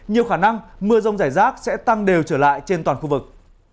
nhiều khả năng mưa rông rải rác sẽ tăng đều trở lại trên toàn khu vực